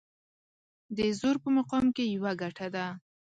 د زور په مقام کې يوه ګټه ده.